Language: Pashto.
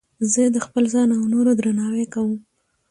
زه د خپل ځان او نورو درناوی کوم.